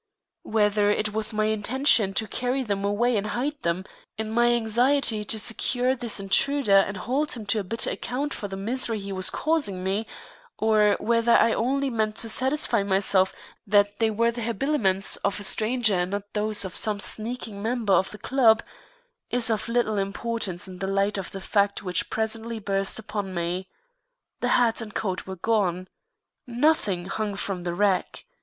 Whether it was my intention to carry them away and hide them, in my anxiety to secure this intruder and hold him to a bitter account for the misery he was causing me, or whether I only meant to satisfy myself that they were the habiliments of a stranger and not those of some sneaking member of the club, is of little importance in the light of the fact which presently burst upon me. The hat and coat were gone. Nothing hung from the rack.